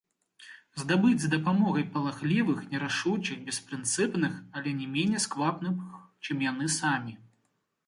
Здабыць з дапамогай палахлівых, нерашучых, беспрынцыпных, але не меней сквапных, чым яны самі.